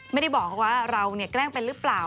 ไม่ได้บอกว่าเราเนี่ยแกล้งเป็นหรือเปล่า